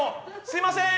すいません。